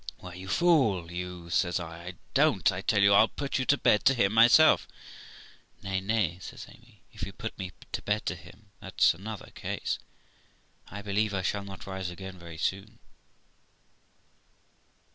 'Why, you fool you', says I, 'don't I tell you I'll put you to bed to him myself?' 'Nay, nay', says Amy, 'if you put me to bed to him, that's another case; I believe I shall not rise again very soon.'